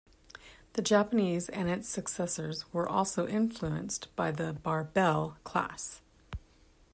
The Japanese and its successors were also influenced by the "Barbel" class.